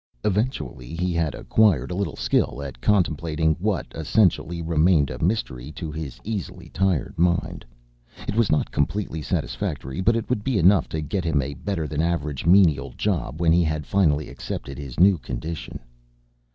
Eventually he had acquired a little skill at contemplating what, essentially, remained a mystery to his easily tired mind. It was not completely satisfactory but it would be enough to get him a better than average menial job when he had finally accepted his new condition.